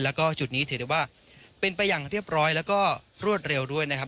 แล้วก็จุดนี้ถือได้ว่าเป็นไปอย่างเรียบร้อยแล้วก็รวดเร็วด้วยนะครับ